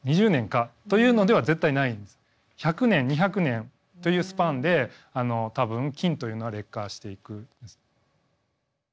１００年２００年というスパンで多分金というのは劣化していくんです。